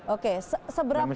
oke seberapa sulit